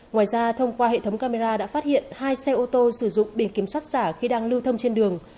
ngoài ra thông qua hệ thống camera đã phát hiện hai xe ô tô sử dụng biển kiểm soát giả khi đang lưu thông trên đường